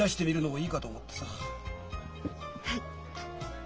はい！